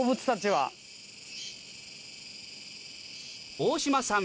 大島さん